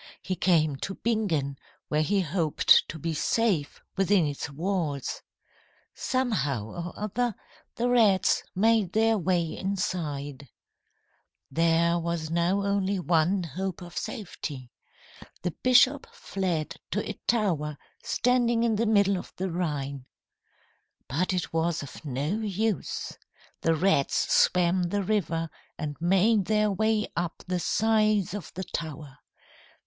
He came to Bingen, where he hoped to be safe within its walls. Somehow or other, the rats made their way inside. [Illustration: THE RATS' TOWER.] "There was now only one hope of safety. The bishop fled to a tower standing in the middle of the Rhine. But it was of no use! The rats swam the river and made their way up the sides of the tower.